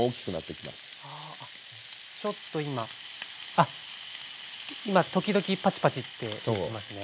あっ今時々パチパチっていってますね。